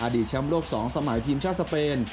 อดีตช้ำโลก๒สมัยทีมชาติสเปน